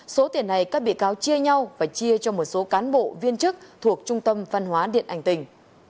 số tiền này các bị cáo chia nhau và chia cho một số cán bộ viên chức thuộc trung tâm văn hóa điện ảnh tình